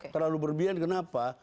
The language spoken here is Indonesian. terlalu berlebihan kenapa